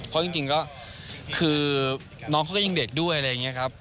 เพราะจริงก็คือน้องเขาก็ยังเด็กด้วยอะไรอย่างนี้ครับ